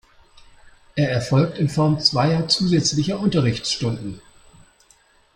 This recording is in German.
Er erfolgt in Form zweier zusätzlicher Unterrichtsstunden.